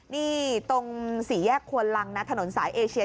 นี่ตรงสี่แยกควนลังนะถนนสายเอเชีย